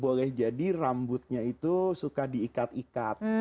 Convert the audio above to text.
boleh jadi rambutnya itu suka diikat ikat